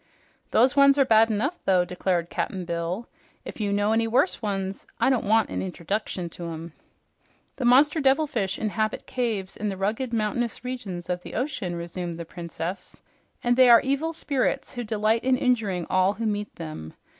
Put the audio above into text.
"Those ones are bad enough, though," declared Cap'n Bill. "If you know any worse ones, I don't want a interduction to 'em." "The monster devilfish inhabit caves in the rugged, mountainous regions of the ocean," resumed the Princess, "and they are evil spirits who delight in injuring all who meet them.